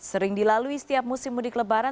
sering dilalui setiap musim mudik lebaran